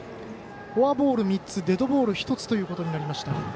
フォアボール、３つデッドボール、１つということになりました。